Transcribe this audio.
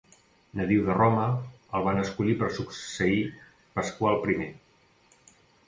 Nadiu de Roma, el van escollir per succeir Pasqual I.